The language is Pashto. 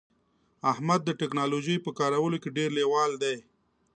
احمد د ټکنالوژی په کارولو کې ډیر لیوال دی